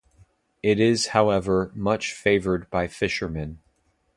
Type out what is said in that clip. It is, however, much favoured by fishermen.